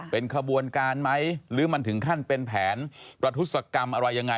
เป็นขบวนการไหมหรือมันถึงขั้นเป็นแผนประทุศกรรมอะไรยังไง